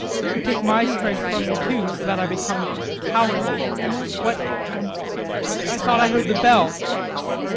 You take my strength from me, too, so that I become cowardly. What I thought I heard the bell!